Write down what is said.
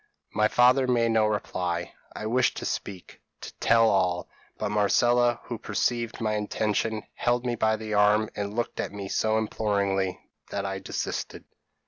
p> "My father made no reply. I wished to speak to tell all but Marcella who perceived my intention, held me by the arm, and looked at me so imploringly, that I desisted.